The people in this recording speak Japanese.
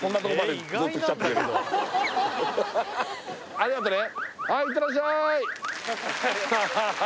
ありがとね